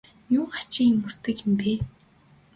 Юун хачин юм хүсдэг юм бэ?